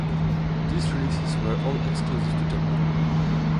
These releases were all exclusive to Japan.